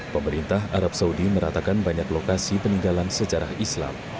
pemerintah arab saudi meratakan banyak lokasi peninggalan sejarah islam